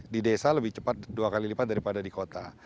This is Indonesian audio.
di desa lebih cepat dua kali lipat daripada di kota